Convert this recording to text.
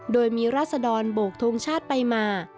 โดยมีราศดรโบกทงชาติไปมา